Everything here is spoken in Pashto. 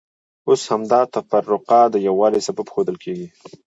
اوس همدا تفرقه د یووالي سبب ښودل کېږي.